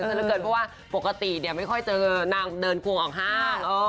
เพราะว่าปกติไม่ค่อยเจอนางเดินควงออกห้าง